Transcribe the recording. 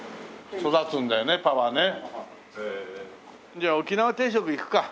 じゃあ沖縄定食いくか。